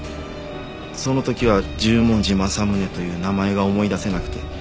その時は十文字政宗という名前が思い出せなくて。